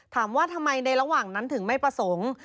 ถามว่าทำไมในระหว่างนั้นถึงไม่ประสงค์